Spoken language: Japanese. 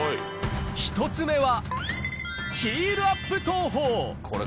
１つ目は、ヒールアップ投法。